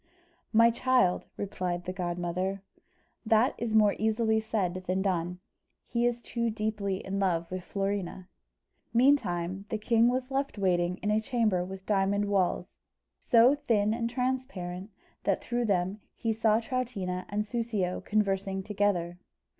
"My child," replied the godmother, "that is more easily said than done; he is too deeply in love with Florina." Meantime the king was left waiting in a chamber with diamond walls, so thin and transparent, that through them he saw Troutina and Soussio conversing together.